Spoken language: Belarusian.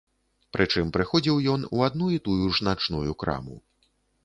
Прычым прыходзіў ён у адну і тую ж начную краму.